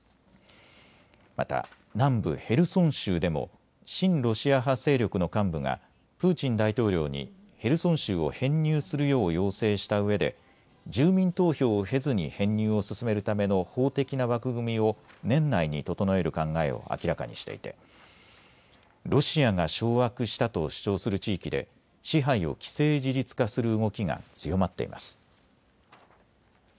また南部ヘルソン州でも親ロシア派勢力の幹部がプーチン大統領にヘルソン州を編入するよう要請したうえで住民投票を経ずに編入を進めるための法的な枠組みを年内に整える考えを明らかにしていてロシアが掌握したと主張する地域で支配を既成事実化する動きが強まっています。